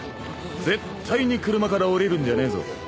絶対に車から降りるんじゃねえぞ。